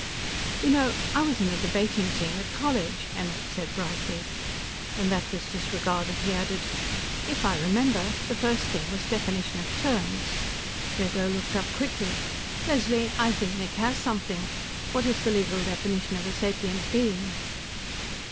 "You know, I was on a debating team at college," Emmert said brightly. When that was disregarded, he added: "If I remember, the first thing was definition of terms." Grego looked up quickly. "Leslie, I think Nick has something. What is the legal definition of a sapient being?"